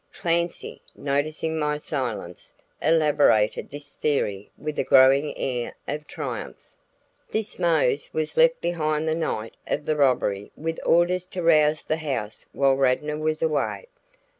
Clancy, noticing my silence, elaborated his theory with a growing air of triumph. "This Mose was left behind the night of the robbery with orders to rouse the house while Radnor was away.